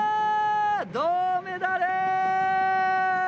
銅メダル！